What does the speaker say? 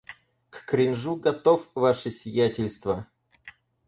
К кринжу готов, ваше сиятельство!